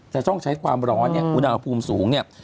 จะต้องใช้ความร้อนเนี่ยอุณหภูมิสูงเนี่ย